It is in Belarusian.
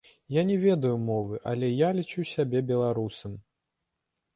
Я не ведаю мовы, але я лічу сябе беларусам.